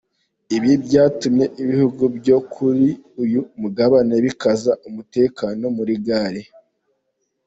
Ibi byatumye ibihugu byo kuri uyu mugabane bikaza umutekano muri gare.